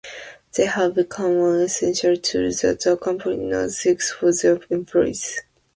They have become an essential tool that a company now seeks for their employees.